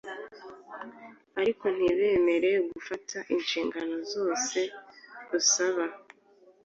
ariko ntibemere fugata inshingano zose rusaba.